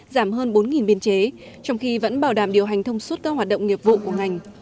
giảm hơn bốn biên chế trong khi vẫn bảo đảm điều hành thông suốt các hoạt động nghiệp vụ của ngành